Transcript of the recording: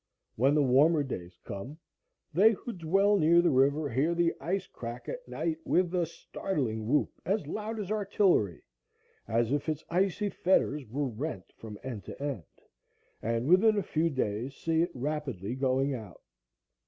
When the warmer days come, they who dwell near the river hear the ice crack at night with a startling whoop as loud as artillery, as if its icy fetters were rent from end to end, and within a few days see it rapidly going out.